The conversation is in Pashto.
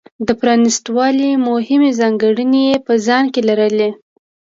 د پرانېست والي مهمې ځانګړنې یې په ځان کې لرلې.